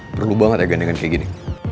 perlu banget ya gandengan kayak gini